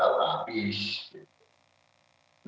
nah pada saat itulah saya sudah hilang